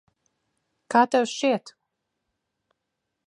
Kā tev šķiet?